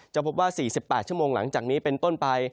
พบว่า๔๘ชั่วโมงหลังจากนี้เป็นต้นไป